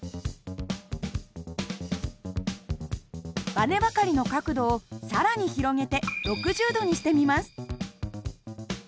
ばねばかりの角度を更に広げて６０度にしてみます。